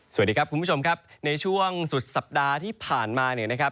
สวัสดีครับคุณผู้ชมครับในช่วงสุดสัปดาห์ที่ผ่านมาเนี่ยนะครับ